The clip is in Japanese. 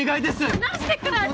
離してください！